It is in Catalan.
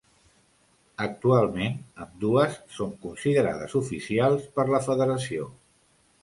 Actualment, ambdues són considerades oficials per la federació.